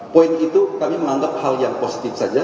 poin itu kami menganggap hal yang positif saja